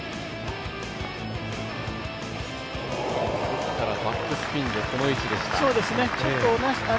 奥からバックスピンでこの位置でした。